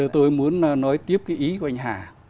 tôi muốn nói tiếp cái ý của anh hà